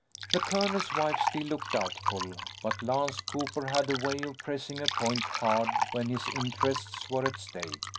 The colonel's wife still looked doubtful, but Lance Cooper had a way of pressing a point hard when his interests were at stake.